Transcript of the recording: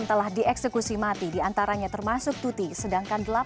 enam telah dieksekusi mati diantaranya termasuk tuti sedangkan delapan puluh lima lainnya bebas